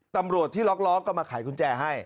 ตำรวจที่ล็อกก็มาขายกุญแจให้